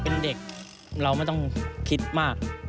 เป็นเด็กเราไม่ต้องคิดมาก